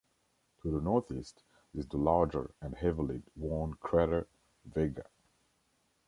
To the northeast is the larger and heavily worn crater Vega.